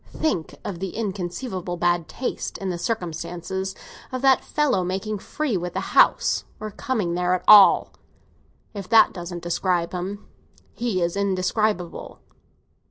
Think of the inconceivable bad taste, in the circumstances, of that fellow making free with the house—or coming there at all! If that doesn't describe him, he is indescribable."